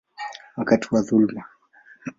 wakati wa dhuluma.